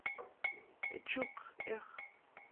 Эчук Эх!